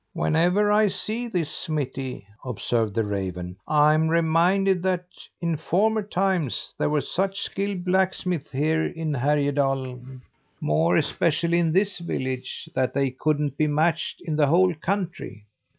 "Whenever I see this smithy," observed the raven, "I'm reminded that, in former times, there were such skilled blacksmiths here in Härjedalen, more especially in this village that they couldn't be matched in the whole country."